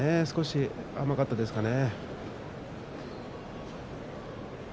少し甘かったですかね。